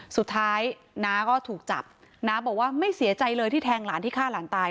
สุดท้ายน้าก็ถูกจับน้าบอกว่าไม่เสียใจเลยที่แทงหลานที่ฆ่าหลานตาย